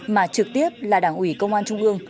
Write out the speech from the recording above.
mà trực tiếp là đảng ủy công an trung ương